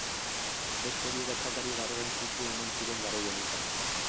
Beste bi gertakari garrantzitsu eman ziren garai honetan.